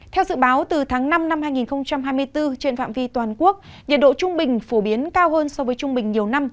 theo dự báo từ tháng năm năm hai nghìn hai mươi bốn trên phạm vi toàn quốc nhiệt độ trung bình phổ biến cao hơn so với trung bình nhiều năm